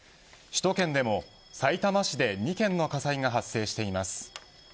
首都圏でも、さいたま市で２件の火災が発生しています。